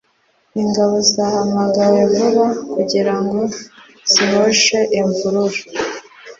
ingabo zahamagawe vuba kugirango zihoshe imvururu